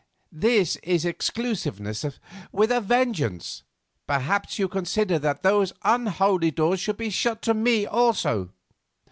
This is exclusiveness with a vengeance. Perhaps you consider that those unholy doors should be shut to me also."